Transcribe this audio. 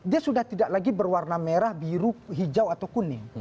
dia sudah tidak lagi berwarna merah biru hijau atau kuning